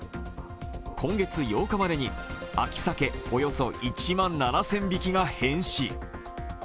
今月８日までに秋鮭およそ１万７０００匹が変死。